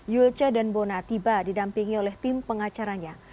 yulce dan bona tiba didampingi oleh tim pengacaranya